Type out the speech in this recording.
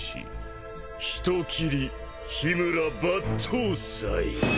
人斬り緋村抜刀斎！